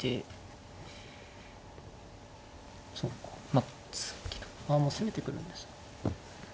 まあもう攻めてくるんですか。